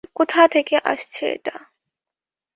কোথা থেকে আসছে এটা?